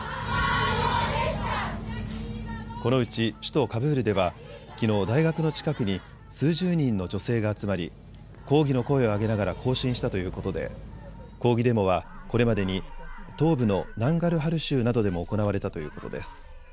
このうち首都カブールではきのう大学の近くに数十人の女性が集まり抗議の声を上げながら行進したということで抗議デモは、これまでに東部のナンガルハル州などでも行われたということです。